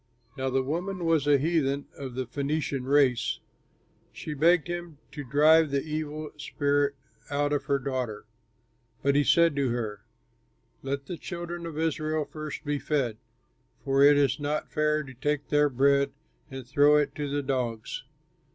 Now the woman was a heathen of the Phœnician race. She begged him to drive the evil spirit out of her daughter, but he said to her, "Let the children of Israel first be fed, for it is not fair to take their bread and throw it to the dogs!"